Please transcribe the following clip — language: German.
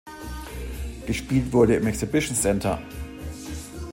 Gespielt wurde im Exhibition Centre.